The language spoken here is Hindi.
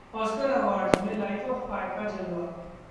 ऑस्कर अवॉर्ड्स में 'Life of Pi' का जलवा